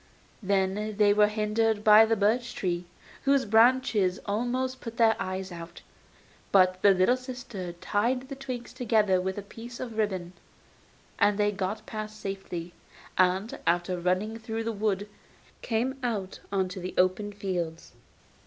Then they were hindered by the birch trees, whose branches almost put their eyes out. But the little sister tied the twigs together with a piece of ribbon, and they got past safely, and, after running through the wood, came out on to the open fields.